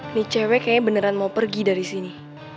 ini cewek kayaknya beneran mau pergi dari sini